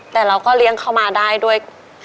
แต่เราก็เลี้ยงเขามาได้ด้วย